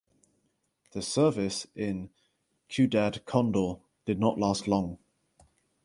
The service in ciudad condal did not last long.